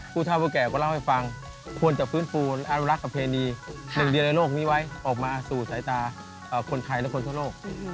ผู้เท่าผู้แก่ก็เล่าให้ฟังควรจะฟื้นฟูอนุรักษ์ประเพณีหนึ่งเดียวในโลกนี้ไว้ออกมาสู่สายตาคนไทยและคนทั่วโลก